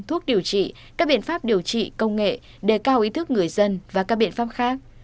thuốc điều trị các biện pháp điều trị công nghệ đề cao ý thức người dân và các biện pháp khác